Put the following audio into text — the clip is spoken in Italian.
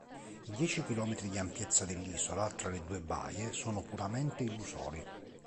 I dieci chilometri di ampiezza dell'isola, tra le due baie, sono puramente illusori.